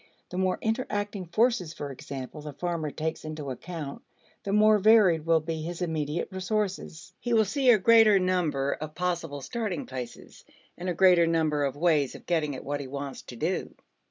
The more interacting forces, for example, the farmer takes into account, the more varied will be his immediate resources. He will see a greater number of possible starting places, and a greater number of ways of getting at what he wants to do.